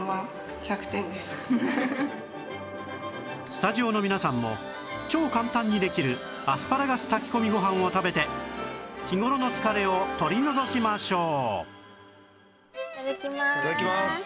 スタジオの皆さんも超簡単にできるアスパラガス炊き込みご飯を食べて日頃の疲れを取り除きましょういただきます。